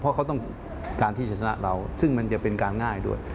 เพราะเขาต้องการที่จะชนะเราซึ่งมันจะเป็นการง่ายด้วย